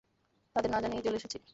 তাদের না জানিয়েই চলে এসেছি।